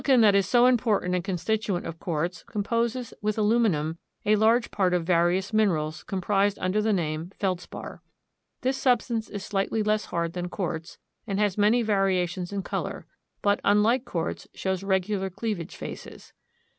] The silicon that is so important a constituent of quartz, composes with aluminum a large part of various minerals comprised under the name feldspar. This substance is slightly less hard than quartz and has many variations in color; but, unlike quartz, shows regular cleavage faces.